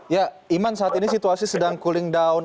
ya iman saat ini situasi sedang cooling down